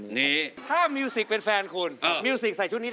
๑๐ทีต้องมี